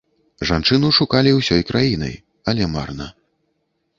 Жанчыну шукалі ўсёй краінай, але марна.